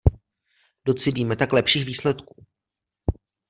Docílíme tak lepších výsledků.